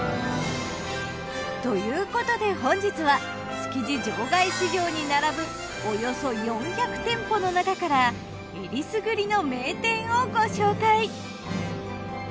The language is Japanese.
ということで本日は築地場外市場に並ぶおよそ４００店舗の中から選りすぐりの名店をご紹介。